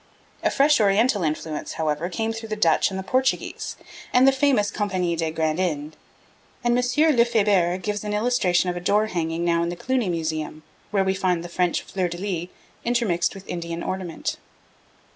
A fresh Oriental influence, however, came through the Dutch and the Portuguese, and the famous Compagnie des Grandes Indes; and M. Lefebure gives an illustration of a door hanging now in the Cluny Museum, where we find the French fleurs de lys intermixed with Indian ornament.